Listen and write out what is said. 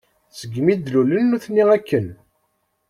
Segmi d-lulen nutni akken.